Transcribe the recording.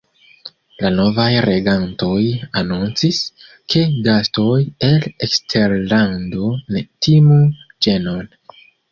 La novaj regantoj anoncis, ke gastoj el eksterlando ne timu ĝenon.